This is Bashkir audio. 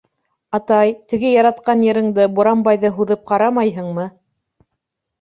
Атай, теге яратҡан йырыңды, «Буранбай»ҙы һуҙып ҡарамайһыңмы?